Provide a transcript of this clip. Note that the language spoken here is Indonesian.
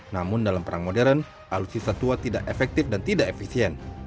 namun dalam perang modern alutsisa tua tidak efektif dan tidak efisien